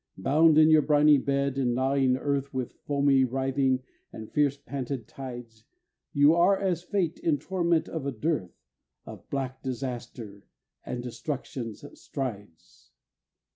Bound in your briny bed and gnawing earth With foamy writhing and fierce panted tides, You are as Fate in torment of a dearth Of black disaster and destruction's strides.